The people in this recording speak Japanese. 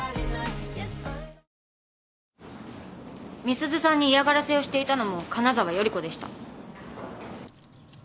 美鈴さんに嫌がらせをしていたのも金沢頼子でした。